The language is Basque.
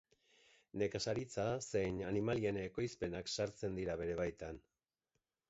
Nekazaritza zein animalien ekoizpenak sartzen dira bere baitan.